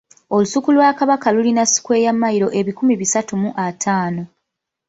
Olusuku lwa Kabaka lulina sikweya mmayiro ebikumi bisatu mu ataano.